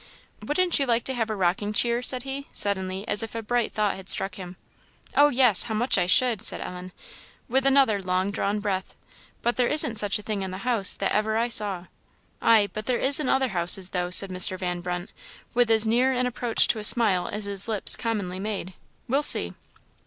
"Wouldn't you like to have a rocking cheer?" said he, suddenly, as if a bright thought had struck him. "Oh yes, how much I should!" said Ellen, with another long drawn breath; "but there isn't such a thing in the house, that ever I saw." "Ay, but there is in other houses, though," said Mr. Van Brunt, with as near an approach to a smile as his lips commonly made; "we'll see!"